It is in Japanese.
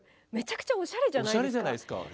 めちゃくちゃおしゃれじゃないですか。